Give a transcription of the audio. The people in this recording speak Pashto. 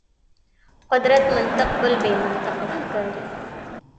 قدرت منطق بل بې منطقي ښکاري.